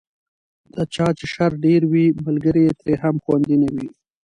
د چا چې شر ډېر وي، ملګری یې ترې هم خوندي نه وي.